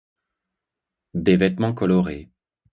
des vêtements colorés